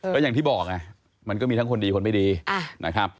แล้วอย่างที่บอกมันก็มีทั้งคนดีคนไม่ดี